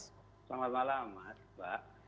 selamat malam maaf